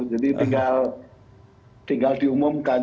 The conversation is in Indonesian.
jadi tinggal diumumkan